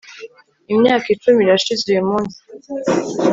imyaka icumi irashize uyumunsi